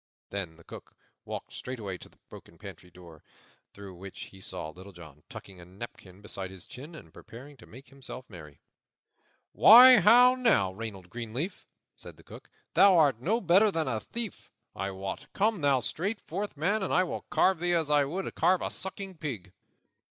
Then the Cook walked straightway to the broken pantry door, through which he saw Little John tucking a napkin beneath his chin and preparing to make himself merry. "Why, how now, Reynold Greenleaf?" said the Cook, "thou art no better than a thief, I wot. Come thou straight forth, man, or I will carve thee as I would carve a sucking pig."